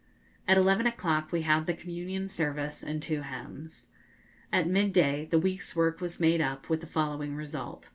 At eleven o'clock we had the Communion Service and two hymns. At midday the week's work was made up, with the following result.